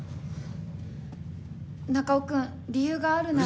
中尾くん理由があるなら。